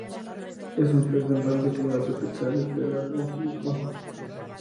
Es un pez de mar de clima tropical y pelágico.